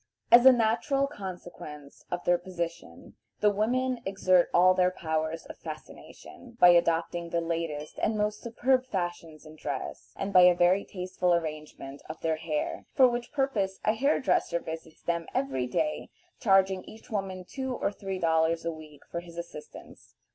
As a natural consequence of their position, the women exert all their powers of fascination, by adopting the latest and most superb fashions in dress, and by a very tasteful arrangement of their hair, for which purpose a hair dresser visits them every day, charging each woman two or three dollars a week for his assistance.